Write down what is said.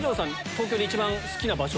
東京で一番好きな場所